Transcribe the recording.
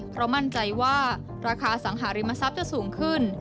เพราะมั่นใจว่าราคาสังหาริมทรัพย์จะสูงขึ้น